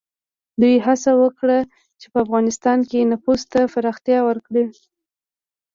دوی هڅه وکړه چې په افغانستان کې نفوذ ته پراختیا ورکړي.